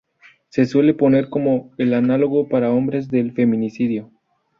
Se suele poner como el análogo para hombres del feminicidio.